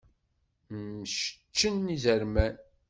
Mceččen izerman.